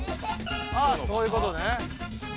ああそういうことね。